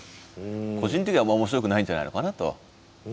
個人的にはあんま面白くないんじゃないのかなと。